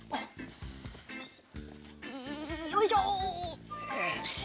よいしょ！